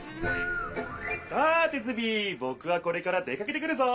さてズビ！ぼくはこれから出かけてくるぞ！